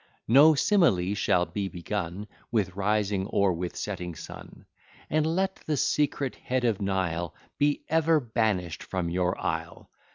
No simile shall be begun, With rising or with setting sun; And let the secret head of Nile Be ever banish'd from your isle.